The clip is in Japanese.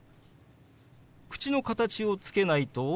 口の形をつけないと。